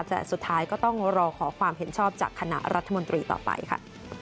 แต่สุดท้ายก็ต้องรอขอความเห็นชอบจากคณะรัฐมนตรีต่อไปค่ะ